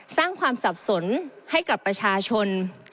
สร้างความสับสนให้กับประชาชน